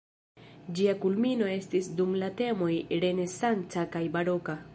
Ĝia kulmino estis dum la temoj renesanca kaj baroka.